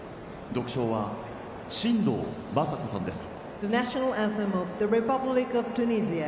独唱は新藤昌子さんです。